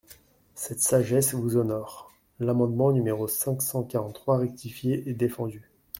Cette sagesse vous honore ! L’amendement numéro cinq cent quarante-trois rectifié est défendu.